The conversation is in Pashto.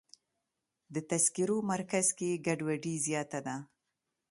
د تذکرو مرکز کې ګډوډي زیاته ده.